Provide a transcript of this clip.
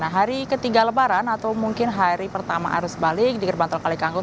hari ketiga lebaran atau mungkin hari pertama arus balik di gerbang tol kalikangkung